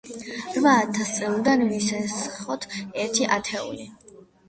რვა ათეულიდან ვისესხოთ ერთი ათეული.